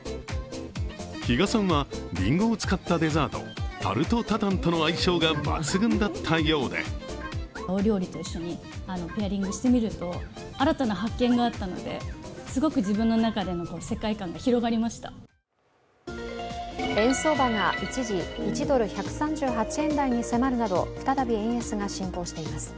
比嘉さんはリンゴを使ったデザートタルトタタンとの相性が抜群だったようで円相場が一時１ドル＝１３８円台に迫るなど再び円安が進行しています。